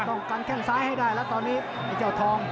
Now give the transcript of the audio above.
ต้องกันแข้งซ้ายให้ได้แล้วตอนนี้ไอ้เจ้าทอง